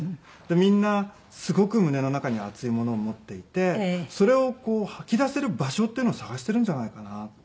みんなすごく胸の中に熱いものを持っていてそれをこう吐き出せる場所っていうのを探してるんじゃないかなって。